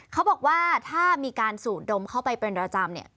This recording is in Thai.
เขาบอกว่าถ้ามีการสูดดมเข้าไปเป็นประจำเนี่ย